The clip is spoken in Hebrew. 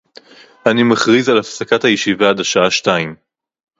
אני מכריז על הפסקת הישיבה עד השעה שתיים